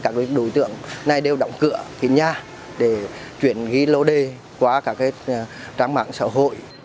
các đối tượng này đều đóng cửa cái nhà để chuyển ghi lô đề qua các trang mạng xã hội